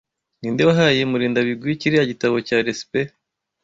Ninde wahaye Murindabigwi kiriya gitabo cya resept?